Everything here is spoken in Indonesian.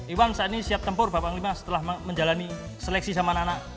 iwan saat ini siap tempur bapak panglima setelah menjalani seleksi sama anak anak